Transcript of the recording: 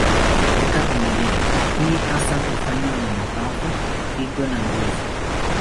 Katika vimelea, hii hasa hufanywa na mapafu, figo na ngozi.